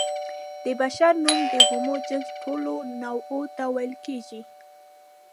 د بشر نوم د هومو جنس ټولو نوعو ته ویل کېږي.